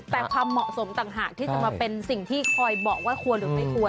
แต่ความเหมาะสมต่างหากที่จะมาเป็นสิ่งที่คอยบอกว่าควรหรือไม่ควร